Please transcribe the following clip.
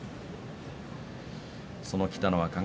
その北の若